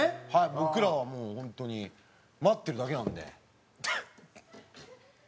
僕らはもうホントに待ってるだけなんで。